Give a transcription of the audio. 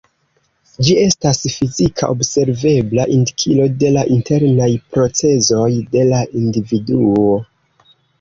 Ĝi estas fizika observebla indikilo de la internaj procezoj de la individuo.